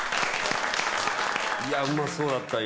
いやうまそうだった